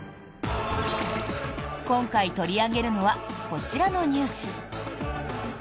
今回取り上げるのはこちらのニュース。